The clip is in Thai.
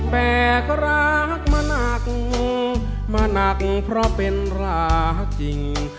แบกรักมาหนักมาหนักเพราะเป็นรักจริง